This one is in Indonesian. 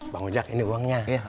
bang ojak ini uangnya